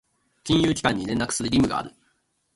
金融機関に連絡する義務がある。